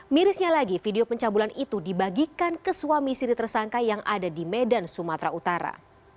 mirisnya lagi video pencabulan itu dibagikan ke suami siri tersangka yang ada di medan sumatera utara